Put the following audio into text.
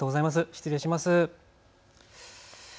失礼します。